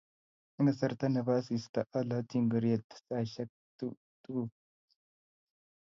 Eng kasarta nebo asista alochi ingoriet saisiek tutukin